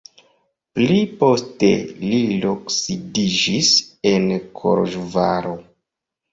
Pli poste li loksidiĝis en Koloĵvaro.